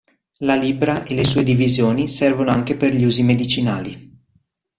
La libbra e le sue divisioni servono anche per gli usi medicinali.